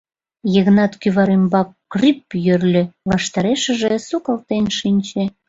— Йыгнат кӱвар ӱмбак крӱп йӧрльӧ, ваштарешыже сукалтен шинче.